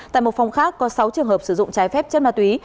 tại một phòng khác có sáu trường hợp sử dụng trái phép chất ma túy